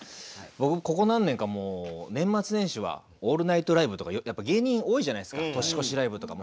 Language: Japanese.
僕ここ何年か年末年始はオールナイトライブとかやっぱ芸人多いじゃないですか年越しライブとかも。